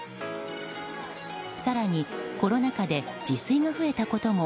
更に、コロナ禍で自炊が増えたことも